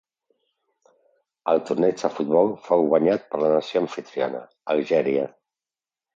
El torneig de futbol fou guanyat per la nació amfitriona Algèria.